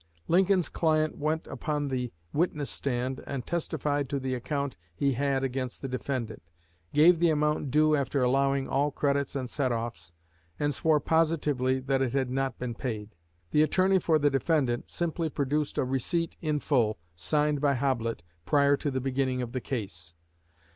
Lincoln's client went upon the witness stand and testified to the account he had against the defendant, gave the amount due after allowing all credits and set offs, and swore positively that it had not been paid. The attorney for the defendant simply produced a receipt in full, signed by Hoblit prior to the beginning of the case.